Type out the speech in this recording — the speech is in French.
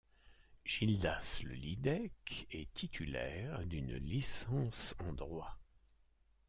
Gildas Le Lidec est titulaire d'une licence en droit.